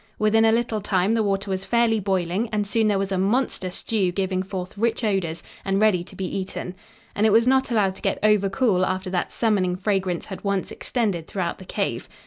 Within a little time the water was fairly boiling and soon there was a monster stew giving forth rich odors and ready to be eaten. And it was not allowed to get over cool after that summoning fragrance had once extended throughout the cave.